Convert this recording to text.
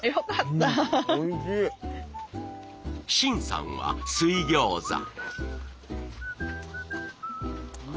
愼さんは水餃子。